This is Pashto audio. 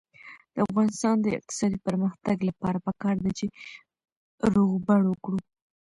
د افغانستان د اقتصادي پرمختګ لپاره پکار ده چې روغبړ وکړو.